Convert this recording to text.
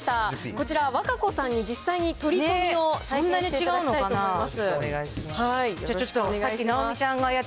こちら、和歌子さんに実際に取り込みを体験していただきたいと思います。